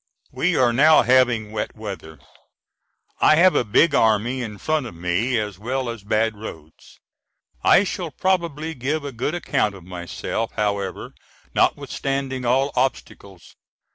We are now having wet weather. I have a big army in front of me as well as bad roads. I shall probably give a good account of myself however notwithstanding all obstacles.